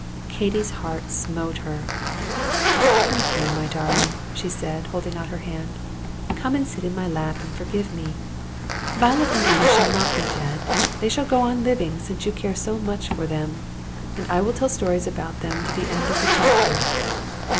Katy's heart smote her. "Come here, my darling," she said, holding out her hand; "come and sit in my lap and forgive me. Violet and Emma shall not be dead. They shall go on living, since you care so much for them, and I will tell stories about them to the end of the chapter."